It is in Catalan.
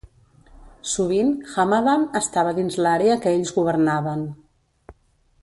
Sovint, Hamadan estava dins l'àrea que ells governaven.